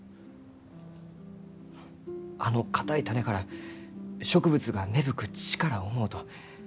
あの硬い種から植物が芽吹く力を思うと胸が熱うなります。